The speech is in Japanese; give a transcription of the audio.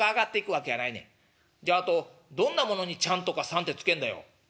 「じゃああとどんなものに『ちゃん』とか『さん』ってつけんだよ」。